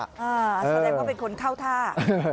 แสดงว่าเป็นคนเข้าท่า